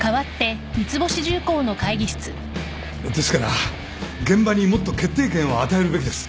ですから現場にもっと決定権を与えるべきです。